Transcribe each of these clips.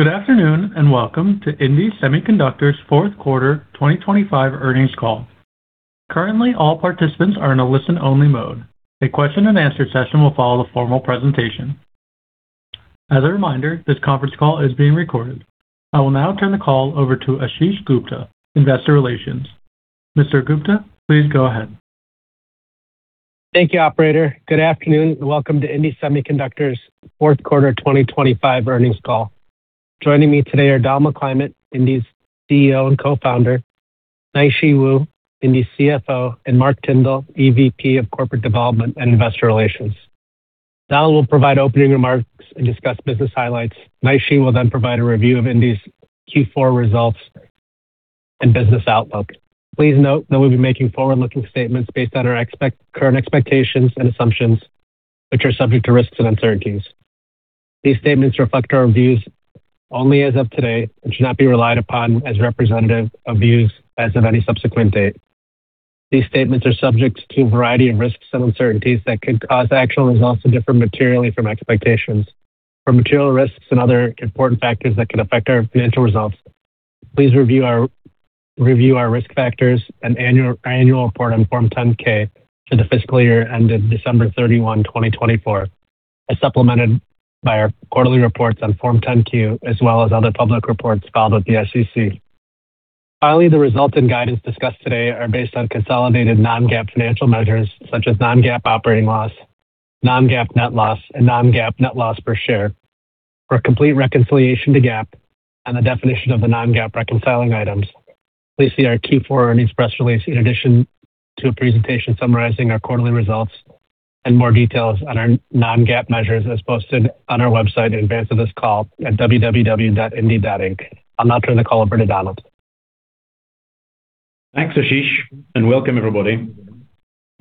Good afternoon, and welcome to indie Semiconductor's fourth quarter 2025 earnings call. Currently, all participants are in a listen-only mode. A question-and-answer session will follow the formal presentation. As a reminder, this conference call is being recorded. I will now turn the call over to Ashish Gupta, Investor Relations. Mr. Gupta, please go ahead. Thank you operator. Good afternoon, and welcome to indie Semiconductor's fourth quarter 2025 earnings call. Joining me today are Don McClymont, indie's CEO and Co-Founder, Naixi Wu, indie's CFO, and Mark Tyndall, EVP of Corporate Development and Investor Relations. Don will provide opening remarks and discuss business highlights. Naixi will then provide a review of indie's Q4 results and business outlook. Please note that we'll be making forward-looking statements based on our current expectations and assumptions, which are subject to risks and uncertainties. These statements reflect our views only as of today and should not be relied upon as representative of views as of any subsequent date. These statements are subject to a variety of risks and uncertainties that could cause actual results to differ materially from expectations. For material risks and other important factors that could affect our financial results, please review our risk factors and annual report on Form 10-K for the fiscal year ended December 31, 2024, as supplemented by our quarterly reports on Form 10-Q, as well as other public reports filed with the SEC. Finally, the results and guidance discussed today are based on consolidated non-GAAP financial measures such as non-GAAP operating loss, non-GAAP net loss, and non-GAAP net loss per share. For a complete reconciliation to GAAP and the definition of the non-GAAP reconciling items, please see our Q4 earnings press release in addition to a presentation summarizing our quarterly results and more details on our non-GAAP measures as posted on our website in advance of this call at www.indiesemi.com. I'll now turn the call over to Don. Thanks, Ashish, and welcome, everybody.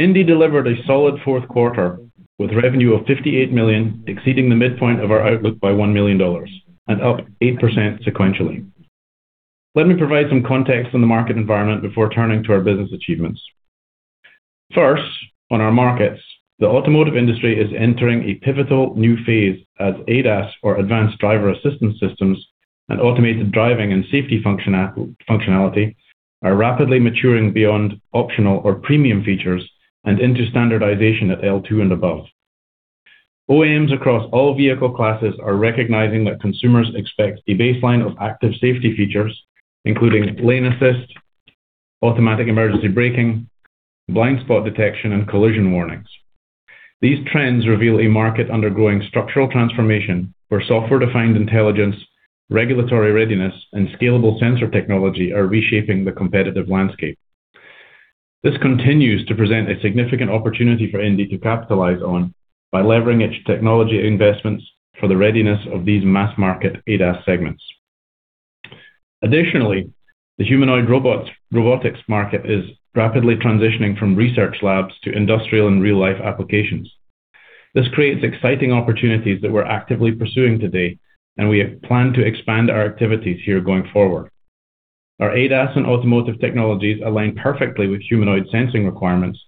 Indie delivered a solid fourth quarter with revenue of $58 million, exceeding the midpoint of our outlook by $1 million and up 8% sequentially. Let me provide some context on the market environment before turning to our business achievements. First, on our markets, the automotive industry is entering a pivotal new phase as ADAS, or Advanced Driver-Assistance Systems, and automated driving and safety functionality are rapidly maturing beyond optional or premium features and into standardization at L2 and above. OEMs across all vehicle classes are recognizing that consumers expect a baseline of active safety features, including lane assist, automatic emergency braking, blind spot detection, and collision warnings. These trends reveal a market undergoing structural transformation, where software-defined intelligence, regulatory readiness, and scalable sensor technology are reshaping the competitive landscape. This continues to present a significant opportunity for indie to capitalize on by leveraging its technology investments for the readiness of these Mass-Market ADAS Segments. Additionally, the humanoid robotics market is rapidly transitioning from research labs to industrial and real-life applications. This creates exciting opportunities that we're actively pursuing today, and we plan to expand our activities here going forward. Our ADAS and automotive technologies align perfectly with humanoid sensing requirements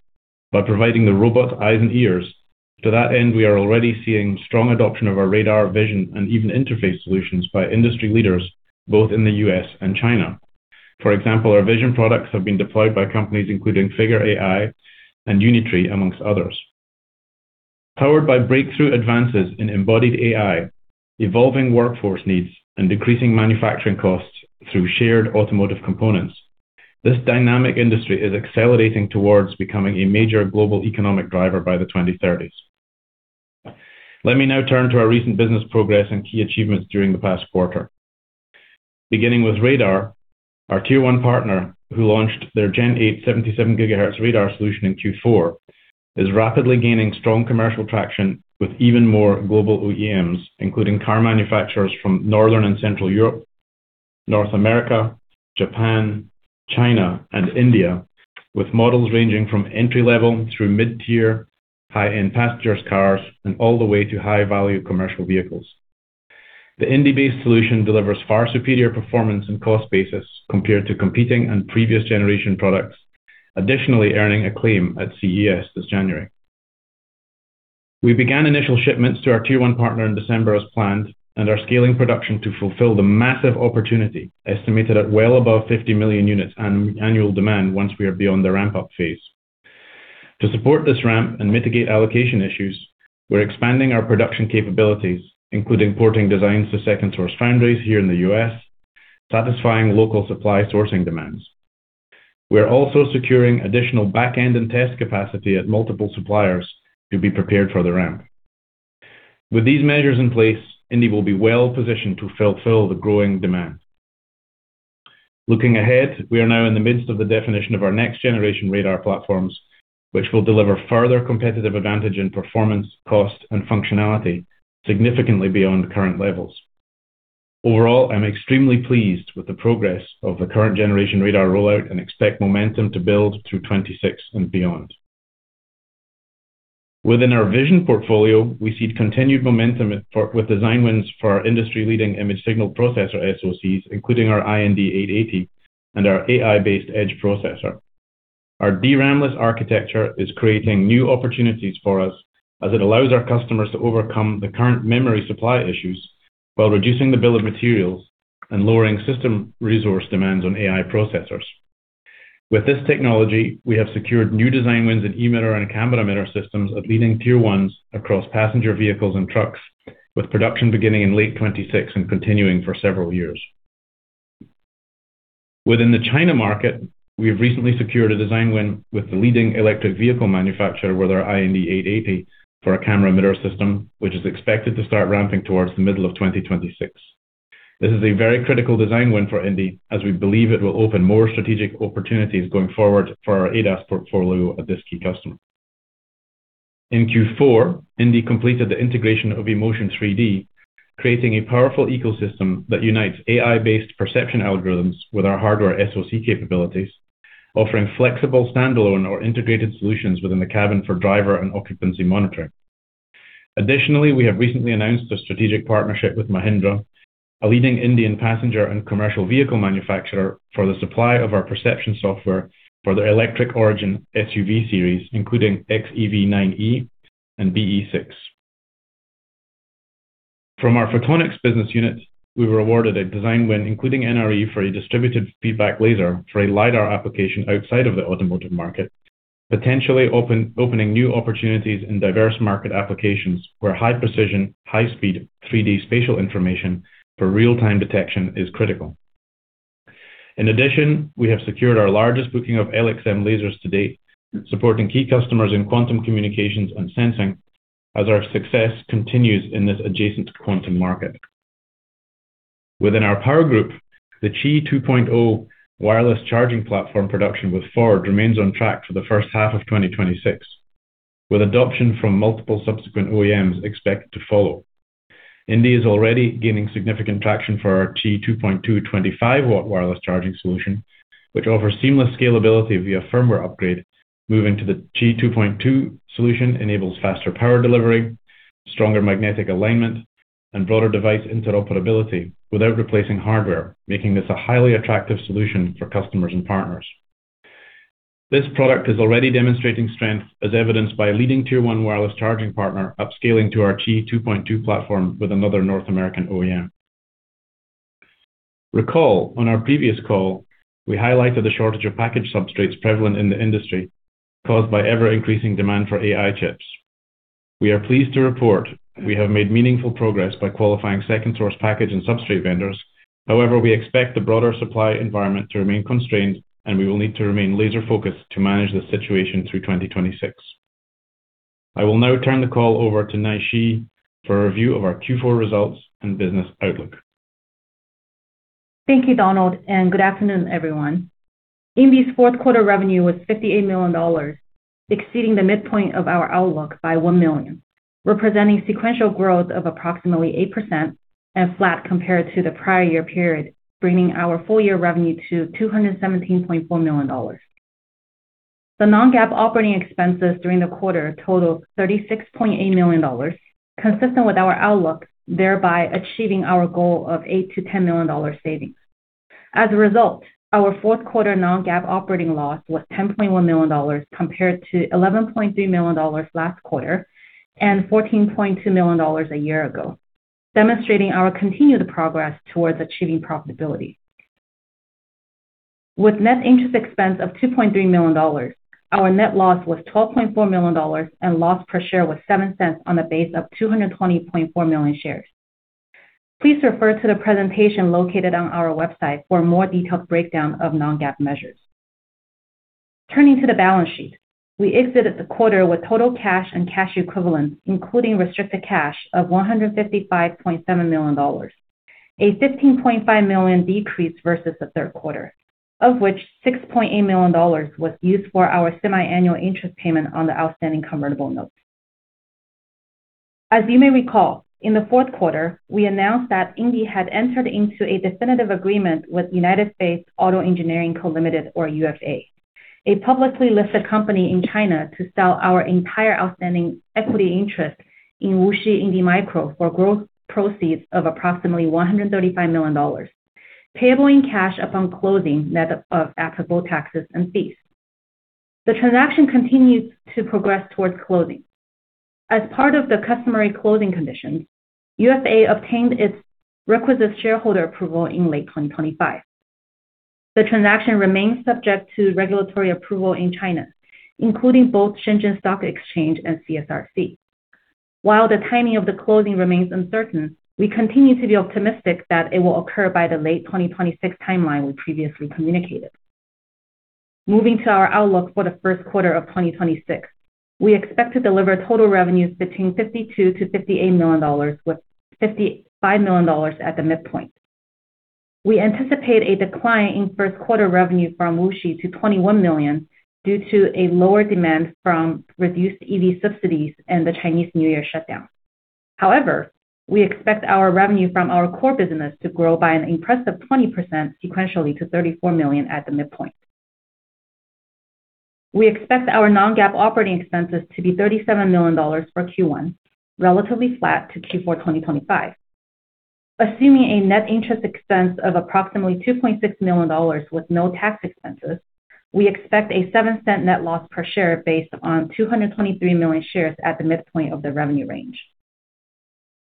by providing the robot eyes and ears. To that end, we are already seeing strong adoption of our radar vision and even interface solutions by industry leaders both in the U.S. and China. For example, our vision products have been deployed by companies including Figure AI and Unitree, among others. Powered by breakthrough advances in embodied AI, evolving workforce needs, and decreasing manufacturing costs through shared automotive components, this dynamic industry is accelerating towards becoming a major global economic driver by the 2030s. Let me now turn to our recent business progress and key achievements during the past quarter. Beginning with radar, our Tier 1 partner, who launched their Gen 8 77 GHz radar solution in Q4, is rapidly gaining strong commercial traction with even more global OEMs, including car manufacturers from Northern and Central Europe, North America, Japan, China, and India, with models ranging from entry-level through mid-tier, high-end passenger cars, and all the way to high-value commercial vehicles. The indie-based solution delivers far superior performance and cost basis compared to competing and previous generation products. Additionally, earning acclaim at CES this January. We began initial shipments to our Tier 1 partner in December as planned and are scaling production to fulfill the massive opportunity, estimated at well above 50 million units and annual demand once we are beyond the ramp-up phase. To support this ramp and mitigate allocation issues, we're expanding our production capabilities, including porting designs to second-source foundries here in the U.S., satisfying local supply sourcing demands. We are also securing additional back-end and test capacity at multiple suppliers to be prepared for the ramp. With these measures in place, indie will be well-positioned to fulfill the growing demand. Looking ahead, we are now in the midst of the definition of our next-generation radar platforms, which will deliver further competitive advantage in performance, cost, and functionality significantly beyond current levels. Overall, I'm extremely pleased with the progress of the current generation radar rollout and expect momentum to build through 2026 and beyond. Within our vision portfolio, we see continued momentum for with design wins for our industry-leading image signal processor SoCs, including our IND880 and our AI-based edge processor. Our DRAM-less architecture is creating new opportunities for us, as it allows our customers to overcome the current memory supply issues, while reducing the bill of materials and lowering system resource demands on AI processors. With this technology, we have secured new design wins in e-mirror and camera mirror systems of leading tier ones across passenger vehicles and trucks, with production beginning in late 2026 and continuing for several years. Within the China market, we have recently secured a design win with the leading electric vehicle manufacturer with our IND880 for a camera mirror system, which is expected to start ramping towards the middle of 2026. This is a very critical design win for indie, as we believe it will open more strategic opportunities going forward for our ADAS portfolio at this key customer. In Q4, indie completed the integration of emotion3D, creating a powerful ecosystem that unites AI-based perception algorithms with our hardware SoC capabilities, offering flexible standalone or integrated solutions within the cabin for driver and occupancy monitoring. Additionally, we have recently announced a strategic partnership with Mahindra, a leading Indian passenger and commercial vehicle manufacturer, for the supply of our perception software for their electric origin SUV series, including XEV 9e and BE 6. From our Photonics business unit, we were awarded a design win, including NRE, for a distributed feedback laser for a LiDAR application outside of the automotive market, potentially opening new opportunities in diverse market applications where high precision, high-speed 3D spatial information for real-time detection is critical. In addition, we have secured our largest booking of LXM lasers to date, supporting key customers in quantum communications and sensing, as our success continues in this adjacent quantum market. Within our power group, the Qi 2.0 wireless charging platform production with Ford remains on track for the first half of 2026, with adoption from multiple subsequent OEMs expected to follow. Indie is already gaining significant traction for our Qi 2.2 25-watt wireless charging solution, which offers seamless scalability via firmware upgrade. Moving to the Qi 2.2 solution enables faster power delivery, stronger magnetic alignment, and broader device interoperability without replacing hardware, making this a highly attractive solution for customers and partners. This product is already demonstrating strength, as evidenced by a leading Tier 1 wireless charging partner upscaling to our Qi 2.2 platform with another North American OEM. Recall, on our previous call, we highlighted the shortage of package substrates prevalent in the industry, caused by ever-increasing demand for AI chips. We are pleased to report we have made meaningful progress by qualifying second source package and substrate vendors. However, we expect the broader supply environment to remain constrained, and we will need to remain laser-focused to manage the situation through 2026. I will now turn the call over to Naixi for a review of our Q4 results and business outlook. Thank you, Donald, and good afternoon, everyone. Indie's fourth quarter revenue was $58 million, exceeding the midpoint of our outlook by $1 million, representing sequential growth of approximately 8% and flat compared to the prior year period, bringing our Full Year Revenue to $217.4 million. The non-GAAP operating expenses during the quarter totaled $36.8 million, consistent with our outlook, thereby achieving our goal of $8 million-$10 million savings. As a result, our fourth quarter non-GAAP operating loss was $10.1 million, compared to $11.3 million last quarter and $14.2 million a year ago, demonstrating our continued progress towards achieving profitability. With net interest expense of $2.3 million, our net loss was $12.4 million, and loss per share was $0.07 on a base of 220.4 million shares. Please refer to the presentation located on our website for a more detailed breakdown of non-GAAP measures. Turning to the balance sheet, we exited the quarter with total cash and cash equivalents, including restricted cash, of $155.7 million, a $15.5 million decrease versus the third quarter, of which $6.8 million was used for our semi-annual interest payment on the outstanding convertible notes. As you may recall, in the fourth quarter, we announced that indie had entered into a definitive agreement with United Faith Auto-Engineering Co., Ltd., or UFA, a publicly listed company in China, to sell our entire outstanding equity interest in Wuxi Indie Micro for growth proceeds of approximately $135 million, payable in cash upon closing, net of applicable taxes and fees. The transaction continues to progress towards closing. As part of the customary closing conditions, USAE obtained its requisite shareholder approval in late 2025. The transaction remains subject to regulatory approval in China, including both Shenzhen Stock Exchange and CSRC. While the timing of the closing remains uncertain, we continue to be optimistic that it will occur by the late 2026 timeline we previously communicated. Moving to our outlook for the first quarter of 2026, we expect to deliver total revenues between $52 million-$58 million, with $55 million at the midpoint. We anticipate a decline in first quarter revenue from Wuxi to $21 million due to a lower demand from reduced EV subsidies and the Chinese New Year shutdown. However, we expect our revenue from our core business to grow by an impressive 20% sequentially to $34 million at the midpoint. We expect our non-GAAP operating expenses to be $37 million for Q1, relatively flat to Q4 2025, assuming a net interest expense of approximately $2.6 million with no tax expenses, we expect a $0.07 net loss per share based on 223 million shares at the midpoint of the revenue range.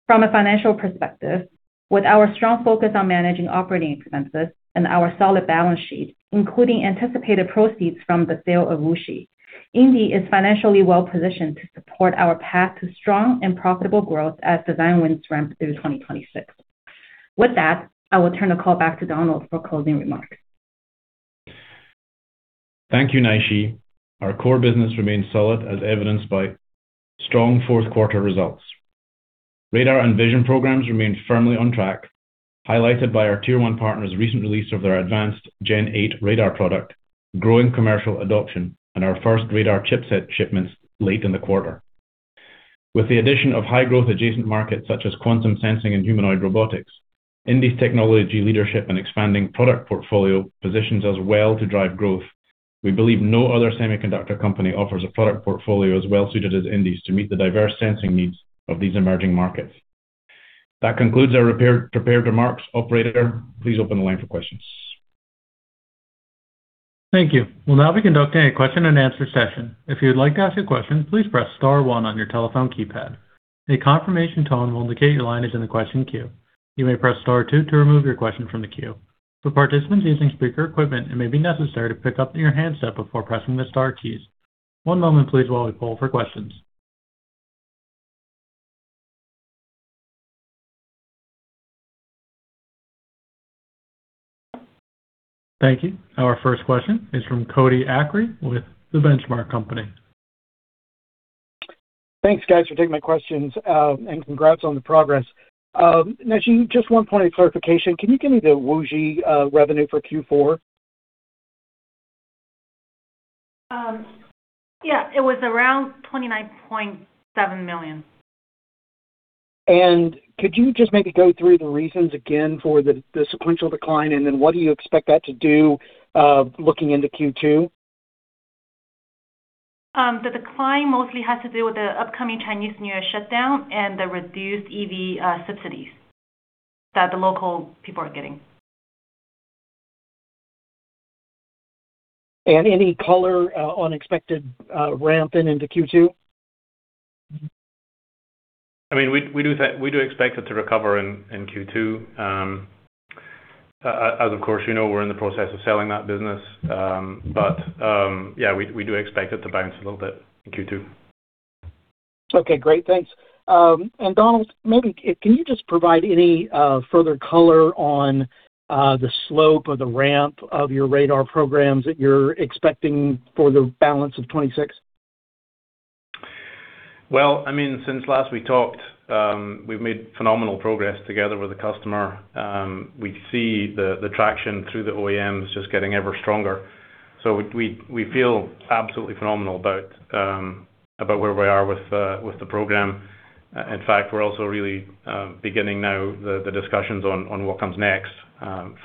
From a financial perspective, with our strong focus on managing operating expenses and our solid balance sheet, including anticipated proceeds from the sale of Wuxi, indie is financially well positioned to support our path to strong and profitable growth as design wins ramp through 2026. With that, I will turn the call back to Donald for closing remarks. Thank you, Naixi. Our core business remains solid, as evidenced by strong fourth quarter results. Radar and vision programs remain firmly on track, highlighted by our Tier 1 partner's recent release of their advanced Gen 8 radar product, growing commercial adoption and our first radar chipset shipments late in the quarter. With the addition of high growth adjacent markets such as quantum sensing and humanoid robotics, Indie's technology leadership and expanding product portfolio positions us well to drive growth. We believe no other semiconductor company offers a product portfolio as well suited as Indie's to meet the diverse sensing needs of these emerging markets. That concludes our prepared remarks. Operator, please open the line for questions. Thank you. We'll now be conducting a question and answer session. If you'd like to ask a question, please press star one on your telephone keypad. A confirmation tone will indicate your line is in the question queue. You may press star two to remove your question from the queue. For participants using speaker equipment, it may be necessary to pick up your handset before pressing the star keys. One moment please, while we poll for questions. Thank you. Our first question is from Cody Acree with The Benchmark Company. Thanks, guys, for taking my questions, and congrats on the progress. Naixi, just one point of clarification. Can you give me the Wuxi revenue for Q4? Yeah, it was around $29.7 million. Could you just maybe go through the reasons again for the sequential decline, and then what do you expect that to do, looking into Q2? The decline mostly has to do with the upcoming Chinese New Year shutdown and the reduced EV subsidies, that the local people are getting. And any color on expected ramp in into Q2? I mean, we do expect it to recover in Q2. As of course, you know, we're in the process of selling that business. But yeah, we do expect it to bounce a little bit in Q2. Okay, great. Thanks. And Donald, maybe can you just provide any further color on the slope or the ramp of your radar programs that you're expecting for the balance of 2026? Well, I mean, since last we talked, we've made phenomenal progress together with the customer. We see the traction through the OEMs just getting ever stronger. So we feel absolutely phenomenal about where we are with the program. In fact, we're also really beginning now the discussions on what comes next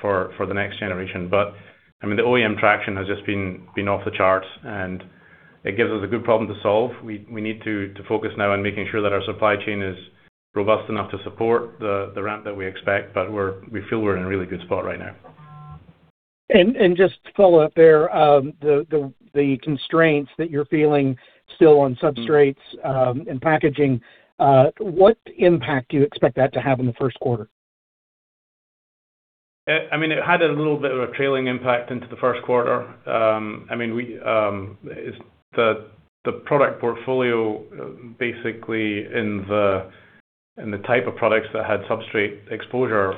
for the next generation. But, I mean, the OEM traction has just been off the charts, and it gives us a good problem to solve. We need to focus now on making sure that our supply chain is robust enough to support the ramp that we expect, but we feel we're in a really good spot right now. And just to follow up there, the constraints that you're feeling still on substrates and packaging, what impact do you expect that to have in the first quarter? I mean, it had a little bit of a trailing impact into the first quarter. And I mean, we, it's the, the product portfolio, basically, in the, in the type of products that had substrate exposure,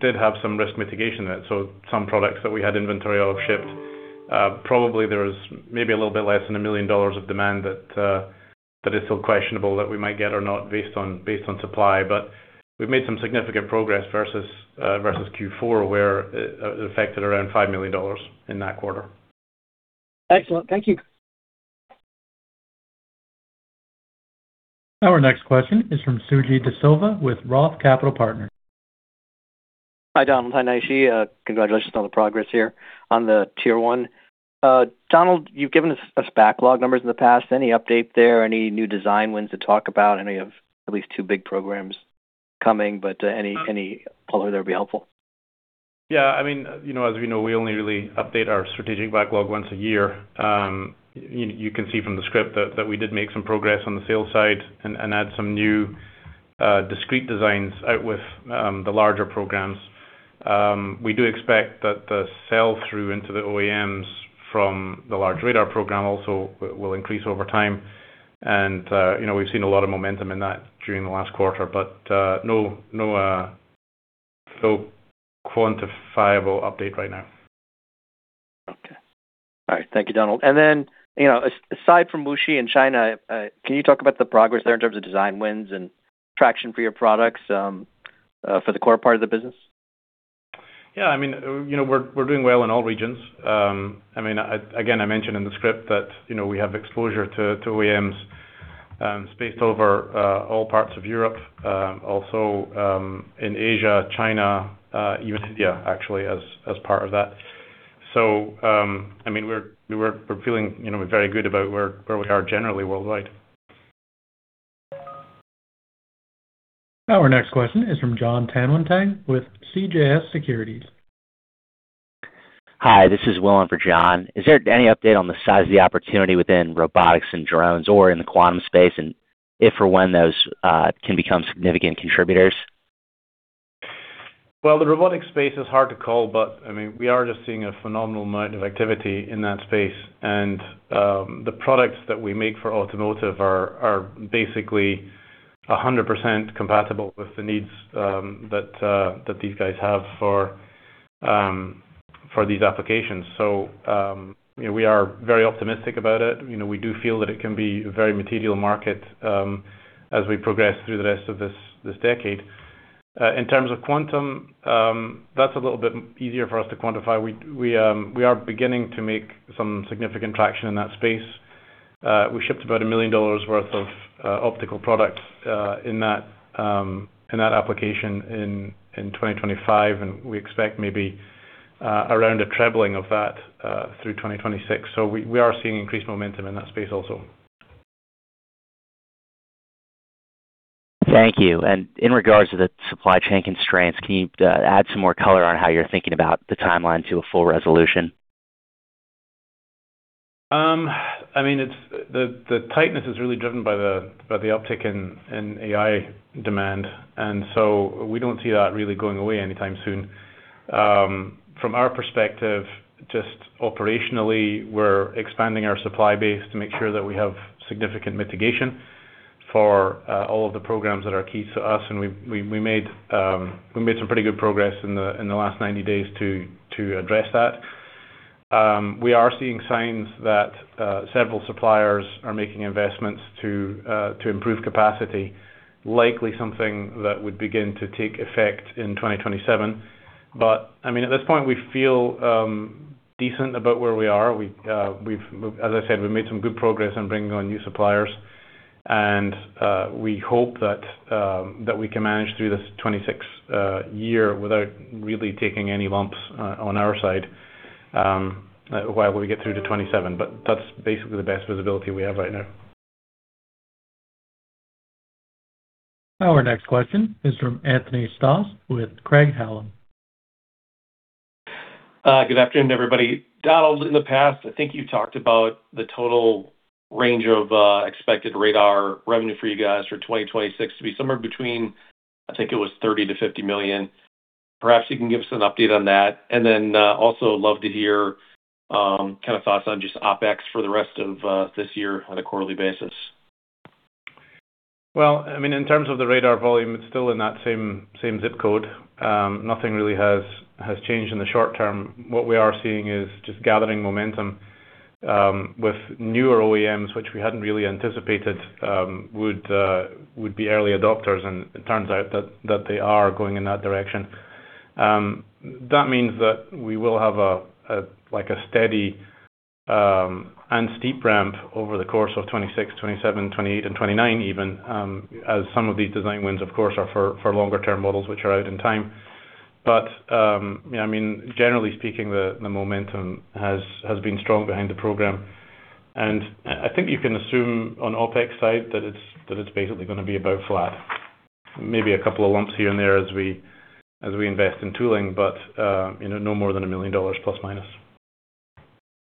did have some risk mitigation in it. So some products that we had inventory of shipped, probably there was maybe a little bit less than a million of demand that, that is still questionable that we might get or not based on, based on supply. But we've made some significant progress versus, versus Q4, where it, it affected around $5 million in that quarter. Excellent. Thank you. Our next question is from Suji De Silva with ROTH Capital Partners. Hi, Donald. Hi, Naixi. Congratulations on the progress here on the Tier 1. Donald, you've given us, us backlog numbers in the past. Any update there? Any new design wins to talk about? I know you have at least two big programs coming, but, any, any color there would be helpful. Yeah, I mean, you know, as we know, we only really update our strategic backlog once a year. You can see from the script that we did make some progress on the sales side and add some new discrete designs out with the larger programs. We do expect that the sell-through into the OEMs from the large radar program also will increase over time. And you know, we've seen a lot of momentum in that during the last quarter, but no full quantifiable update right now. Okay. All right. Thank you, Donald. And then, you know, aside from Wuxi in China, can you talk about the progress there in terms of design wins and traction for your products, for the core part of the business? Yeah, I mean, you know, we're doing well in all regions. I mean, again, I mentioned in the script that, you know, we have exposure to OEMs, spaced over, all parts of Europe, also, in Asia, China, even India, actually, as part of that. So, I mean, we're feeling, you know, very good about where we are generally worldwide. Our next question is from John Tanwanteng with CJS Securities. Hi, this is Will in for John. Is there any update on the size of the opportunity within robotics and drones or in the quantum space, and if or when those can become significant contributors? Well, the robotics space is hard to call, but, I mean, we are just seeing a phenomenal amount of activity in that space. The products that we make for automotive are basically 100% compatible with the needs that these guys have for these applications. So, you know, we are very optimistic about it. You know, we do feel that it can be a very material market as we progress through the rest of this decade. In terms of quantum, that's a little bit easier for us to quantify. We are beginning to make some significant traction in that space. We shipped about $1 million worth of optical products in that application in 2025, and we expect maybe around a trebling of that through 2026. So we are seeing increased momentum in that space also. Thank you. In regards to the supply chain constraints, can you add some more color on how you're thinking about the timeline to a full resolution? I mean, it's the tightness is really driven by the uptick in AI demand, and so we don't see that really going away anytime soon. From our perspective, just operationally, we're expanding our supply base to make sure that we have significant mitigation for all of the programs that are key to us. And we made some pretty good progress in the last 90 days to address that. We are seeing signs that several suppliers are making investments to improve capacity, likely something that would begin to take effect in 2027. But I mean, at this point, we feel decent about where we are. We've, as I said, we've made some good progress in bringing on new suppliers, and we hope that we can manage through this 2026 year without really taking any lumps on our side while we get through to 2027. But that's basically the best visibility we have right now. Our next question is from Anthony Stoss, with Craig-Hallum. Good afternoon, everybody. Donald, in the past, I think you talked about the total range of expected radar revenue for you guys for 2026 to be somewhere between, I think it was $30 million-$50 million. Perhaps you can give us an update on that. And then, also love to hear, kind of thoughts on just OpEx for the rest of this year on a quarterly basis. Well, I mean, in terms of the radar volume, it's still in that same, same zip code. Nothing really has, has changed in the short term. What we are seeing is just gathering momentum with newer OEMs, which we hadn't really anticipated would be early adopters, and it turns out that, that they are going in that direction. That means that we will have a, a, like a steady and steep ramp over the course of 2026, 2027, 2028 and 2029 even, as some of these design wins, of course, are for, for longer term models, which are out in time. But, yeah, I mean, generally speaking, the, the momentum has, has been strong behind the program, and I, I think you can assume on OpEx side that it's, that it's basically gonna be about flat. Maybe a couple of lumps here and there as we, as we invest in tooling, but you know, no more than $1 million±.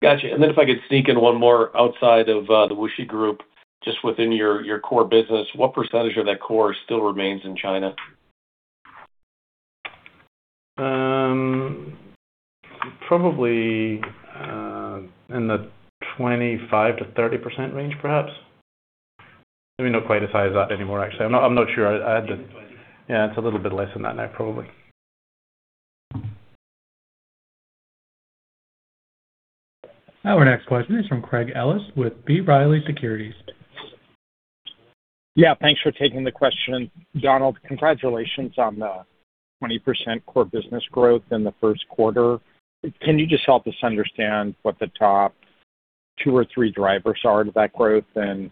Gotcha. And then if I could sneak in one more outside of the Wuxi group. Just within your core business, what percentage of that core still remains in China? Probably, in the 25%-30% range, perhaps. I mean, not quite as high as that anymore, actually. I'm not sure. Twenty. Yeah, it's a little bit less than that now, probably. Our next question is from Craig Ellis with B. Riley Securities. Yeah, thanks for taking the question. Donald, congratulations on the 20% core business growth in the first quarter. Can you just help us understand what the top two or three drivers are to that growth? And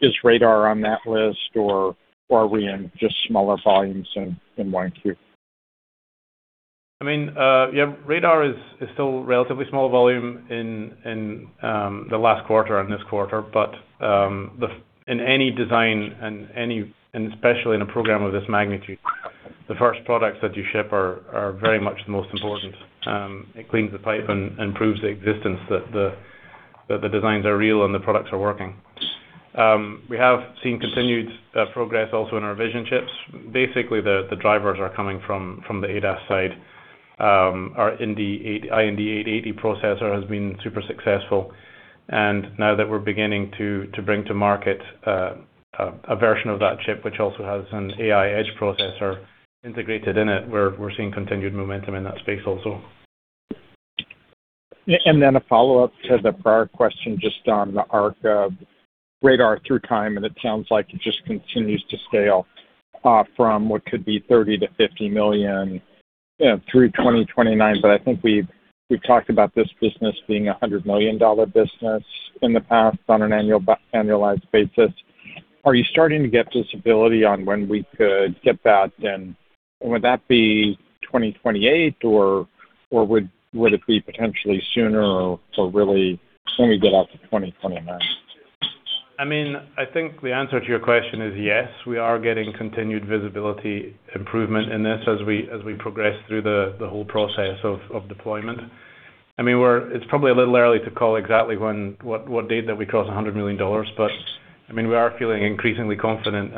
is radar on that list, or are we in just smaller volumes in 1Q? I mean, yeah, radar is still relatively small volume in the last quarter and this quarter. But, the, iIn any design and any, especially in a program of this magnitude, the first products that you ship are very much the most important. It cleans the pipe and proves the existence that the designs are real and the products are working. We have seen continued progress also in our vision chips. Basically, the drivers are coming from the ADAS side. Our IND880 processor has been super successful, and now that we're beginning to bring to market a version of that chip, which also has an AI edge processor integrated in it, we're seeing continued momentum in that space also. And then a follow-up to the prior question just on the arc of radar through time, and it sounds like it just continues to scale from what could be $30 million-$50 million through 2029. But I think we've talked about this business being a $100 million business in the past on an annualized basis. Are you starting to get visibility on when we could get that? And would that be 2028? Or would it be potentially sooner or really when we get out to 2029? I mean, I think the answer to your question is yes. We are getting continued visibility improvement in this as we progress through the whole process of deployment. I mean, we're. It's probably a little early to call exactly when, what date that we cross $100 million, but, I mean, we are feeling increasingly confident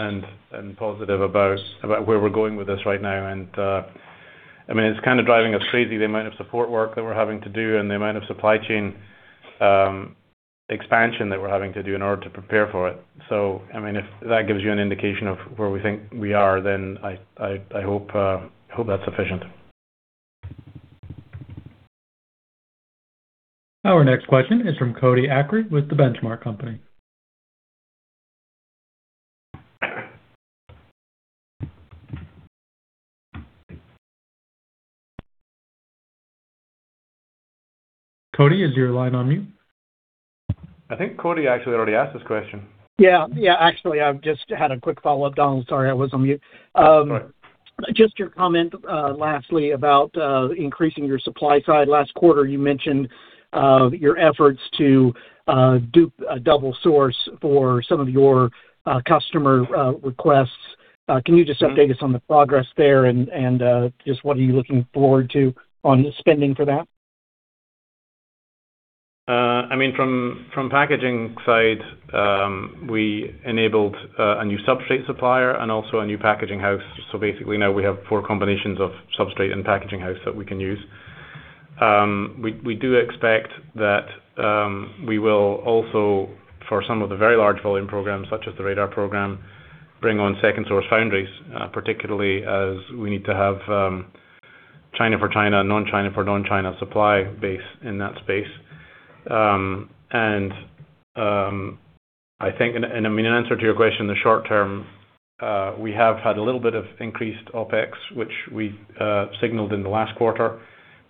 and positive about where we're going with this right now. And, I mean, it's kind of driving us crazy, the amount of support work that we're having to do and the amount of supply chain expansion that we're having to do in order to prepare for it. So, I mean, if that gives you an indication of where we think we are, then I hope that's sufficient. Our next question is from Cody Acree, with The Benchmark Company. Cody, is your line on mute? I think Cody actually already asked this question. Yeah. Yeah, actually, I've just had a quick follow-up, Donald. Sorry, I was on mute. That's all right. Just your comment, lastly, about increasing your supply side. Last quarter, you mentioned your efforts to do a double source for some of your customer requests. Can you just update us on the progress there and just what are you looking forward to on spending for that? I mean, from packaging side, we enabled a new substrate supplier and also a new packaging house. So basically, now we have four combinations of substrate and packaging house that we can use. We do expect that we will also, for some of the very large volume programs, such as the radar program, bring on second source foundries, particularly as we need to have China for China and non-China for non-China supply base in that space. And I think, I mean, in answer to your question, in the short term, we have had a little bit of increased OpEx, which we signaled in the last quarter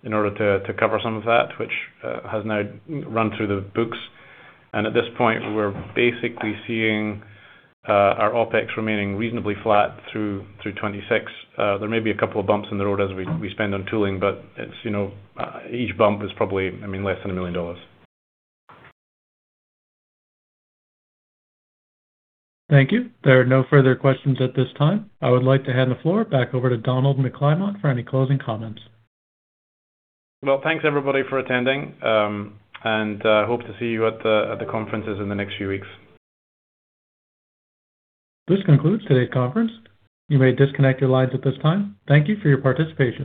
in order to cover some of that, which has now run through the books. At this point, we're basically seeing our OpEx remaining reasonably flat through 2026. There may be a couple of bumps in the road as we spend on tooling, but it's, you know, each bump is probably, I mean, less than $1 million. Thank you. There are no further questions at this time. I would like to hand the floor back over to Donald McClymont for any closing comments. Well, thanks, everybody, for attending, and hope to see you at the conferences in the next few weeks. This concludes today's conference. You may disconnect your lines at this time. Thank you for your participation.